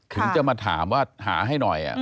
ถึงจะมาถามว่าหาให้หน่อย